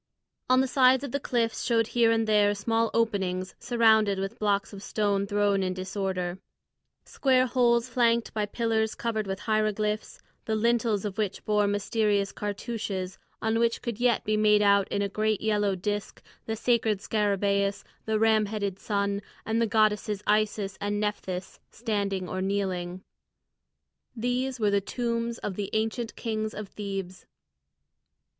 On the sides of the cliffs showed here and there small openings surrounded with blocks of stone thrown in disorder: square holes flanked by pillars covered with hieroglyphs, the lintels of which bore mysterious cartouches on which could yet be made out in a great yellow disc the sacred scarabæus, the ram headed sun, and the goddesses Isis and Nephthys standing or kneeling. These were the tombs of the ancient kings of Thebes.